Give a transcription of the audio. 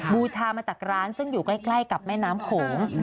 บูชามาจากร้านซึ่งอยู่ใกล้กับแม่น้ำโขง